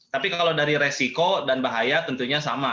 tapi kalau dari resiko dan bahaya tentunya sama